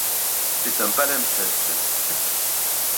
C'est un palimpseste.